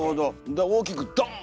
だから大きくドーン！